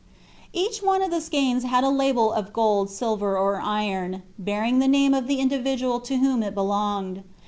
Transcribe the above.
Each one of the skeins had a label of gold, silver, or iron, bearing the name of the individual to whom it belonged.